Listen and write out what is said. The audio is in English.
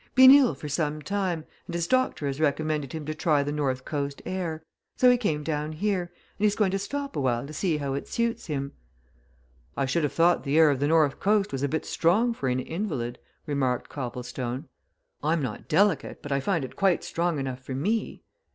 "Been ill for some time, and his doctor has recommended him to try the north coast air. So he came down here, and he's going to stop awhile to see how it suits him." "I should have thought the air of the north coast was a bit strong for an invalid," remarked Copplestone. "I'm not delicate, but I find it quite strong enough for me."